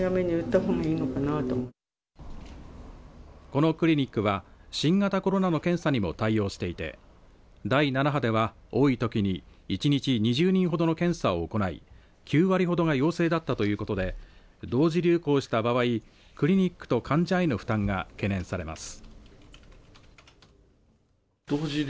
このクリニックは新型コロナの検査にも対応していて第７波では多いときに一日２０人ほどの検査を行い９割ほどが陽性だったということで同時流行した場合クリニックと患者への負担が懸念されます。